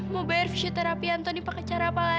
mau bayar fisioterapi antoni pakai cara apa lagi